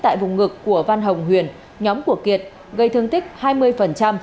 tại vùng ngực của văn hồng huyền nhóm của kiệt gây thương tích hai mươi